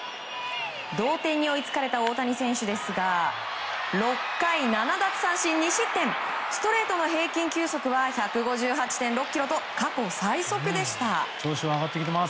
同点に追いつかれた大谷選手ですが６回、７奪三振２失点ストレートの平均球速は１５６．９キロと過去最速でした。